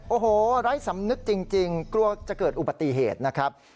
โอ้โหไร้สำนึกจริงกลัวจะเกิดอุบัติเหตุนะครับ